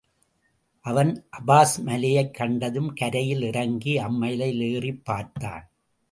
அவன் அபாஸ் மலையைக் கண்டதும், கரையில் இறங்கி அம்மலையில் ஏறிப் பார்த்தான்.